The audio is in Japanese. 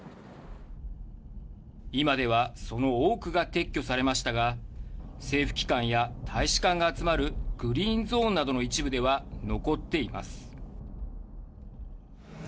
今ではその多くが撤去されましたが政府機関や大使館が集まるグリーンゾーンなどの一部では残っています。